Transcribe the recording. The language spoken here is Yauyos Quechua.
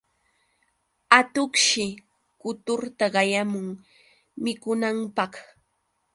Atuqshi kuturta qayamun mikunanpaq.